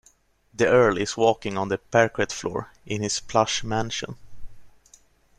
The earl is walking on the parquet floor in his plush mansion.